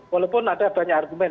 walaupun ada banyak argumen